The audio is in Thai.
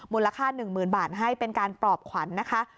มูลค่า๑๐๐๐บาทให้เป็นการปลอบขวัญนะคะ